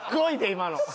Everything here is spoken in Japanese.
今の。